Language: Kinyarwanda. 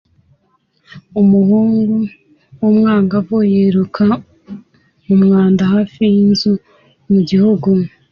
Umuhungu w'umwangavu yiruka mu mwanda hafi y'inzu mu gihugu